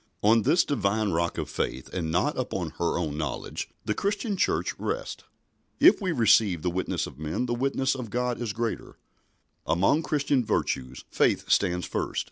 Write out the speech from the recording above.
On this Divine rock of faith, and not upon her own knowledge, the Christian Church rests. "If we receive the witness of men, the witness of God is greater." Among Christian virtues faith stands first.